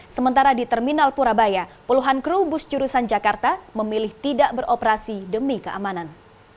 sementara di terminal purabaya puluhan kru bus jurusan jakarta memilih tidak beroperasi demi keamanan